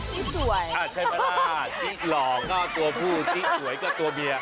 สีสวยอ่าใช่ปะนะจิ๊ดหล่อก็ตัวผู้สีสวยก็ตัวเมีย